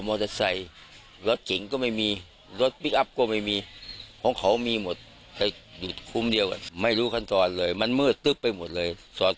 เออใส่ล้อมาเลยล้างตัวมันแล้วก็พามาเลย